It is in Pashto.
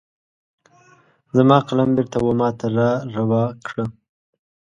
زما قلم بیرته وماته را روا کړه